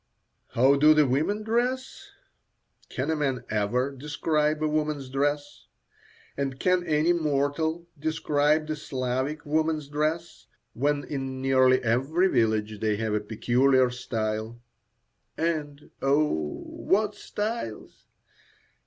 "How do the women dress?" Can a man ever describe a woman's dress? And can any mortal describe the Slavic woman's dress, when in nearly every village they have a peculiar style? And, oh! what styles!